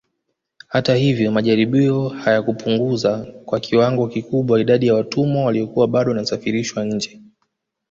Hata hivyo majaribio hayakupunguza kwa kiwango kikubwa idadi ya watumwa waliokuwa bado wanasafirishwa nje